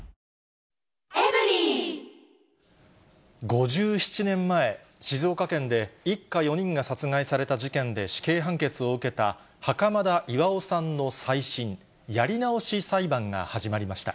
５７年前、静岡県で一家４人が殺害された事件で死刑判決を受けた袴田巌さんの再審・やり直し裁判が始まりました。